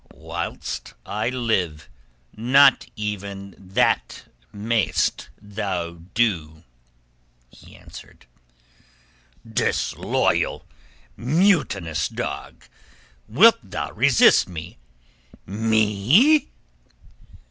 "Whilst I live, not even that mayest thou do," he answered. "Disloyal, mutinous dog! Wilt thou resist me—me?"